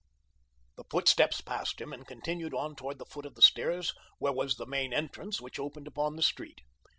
The footsteps passed him and continued on toward the foot of the stairs where was the main entrance which opened upon the street.